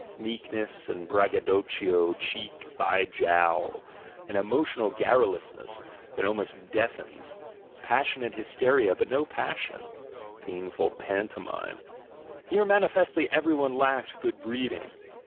Meekness and braggadocio cheek by jowl; an emotional garrulousness that almost deafens; passionate hysteria, but no passion ; painful pantomime ; here manifestly every one lacked good breeding.